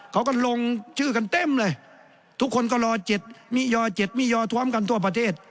เขาก็ลงชื่อกันเต็มเลยทุกคนก็รอ๗มิยอ๗มิยอทวมกันทั่วประเทศ